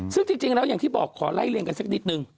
ซึ่งจริงแล้วอย่างที่บอกขอไล่เรียงกันสักนิดนึง